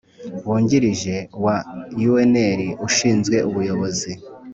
Wungirije wa unr ushinzwe ubuyobozi